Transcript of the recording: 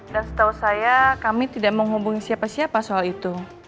dan setahu saya kami tidak mau hubungi siapa siapa soal itu